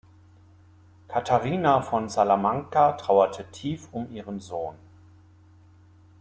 Katharina von Salamanca trauerte tief um ihren Sohn.